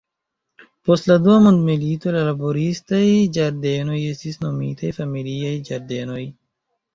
Post la dua mondmilito la laboristaj ĝardenoj estis nomitaj familiaj ĝardenoj.